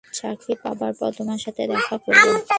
চাকরি পাবার পরই তোমার সাথে দেখা করব।